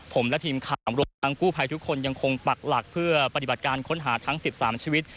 ผมและทีมข่าวรวมทั้งกู้ภัยทุกคนยังคงปักหลักเพื่อปฏิบัติการค้นหาทั้ง๑๓ชีวิต